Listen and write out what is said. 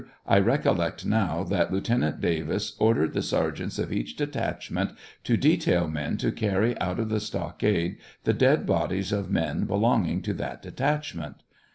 I recollect now that Lieutenant Davis ordered the sergeants of each detachment to detail men to carry out of the stockade the dead bodies of men belonging to that detach ment.